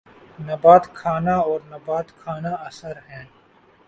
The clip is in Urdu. نبات خانہ اور نبات خانہ اثر ہیں